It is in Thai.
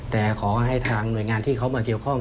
แต่ขอให้ทางหน่วยงานที่เขามาเกี่ยวข้อง